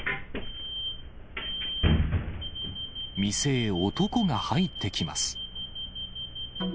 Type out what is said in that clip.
店へ男が入ってきます。